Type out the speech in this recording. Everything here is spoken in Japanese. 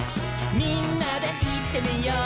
「みんなでいってみよう」